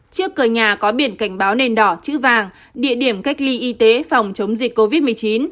trước cửa nhà có biển cảnh báo nền đỏ chữ vàng địa điểm cách ly y tế phòng chống dịch covid một mươi chín